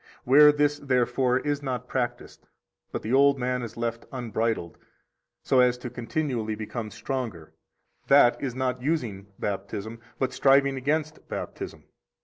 Where this, therefore, is not practised, but the old man is left unbridled, so as to continually become stronger, that is not using Baptism, but striving against Baptism.